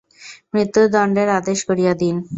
মৃত্যুদণ্ডের আদেশ করিয়া দিন।